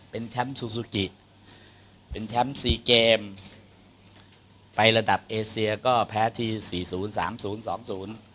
เป็นแชมป์ซูซูกิเป็นแชมป์สี่เกมไประดับเอเซียก็แพ้ทีสี่ศูนย์สามศูนย์สองศูนย์